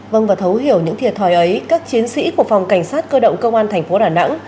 vâng và thấu hiểu những thiệt thòi ấy các chiến sĩ của phòng cảnh sát cơ động công an thành phố đà nẵng